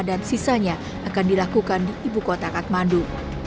dan sisanya akan dilakukan di ibu kota katmandu